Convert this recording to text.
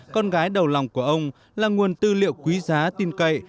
con gái đầu lòng của ông là nguồn tư liệu quý giá tin cậy